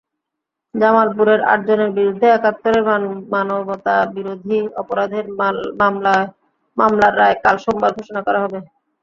জামালপুরের আটজনের বিরুদ্ধে একাত্তরের মানবতাবিরোধী অপরাধের মামলার রায় কাল সোমবার ঘোষণা করা হবে।